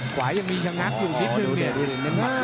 ขวายังมีชะงักอยู่นิดนึงเนี่ย